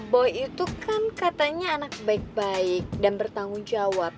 boy itu kan katanya anak baik baik dan bertanggung jawab